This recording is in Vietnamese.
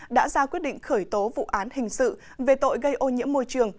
đã ra quyết định khởi tố vụ án hình sự về tội gây ô nhiễm môi trường